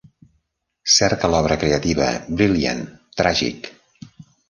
Cerca l'obra creativa Brilliant! Tragic!